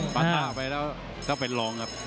พันธาไปแล้วก็เป็นรองครับ